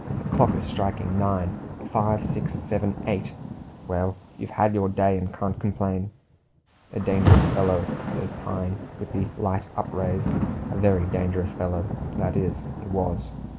The clock is striking nine; five, six, seven, eight! Well, you've had your day, and can't complain." "A dangerous fellow," says Pine, with the light upraised. "A very dangerous fellow that is, he was.